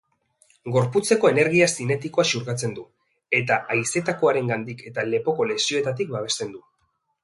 Gorputzeko energia zinetikoa xurgatzen du, eta haizetakoarengandik eta lepoko lesioetatik babesten du.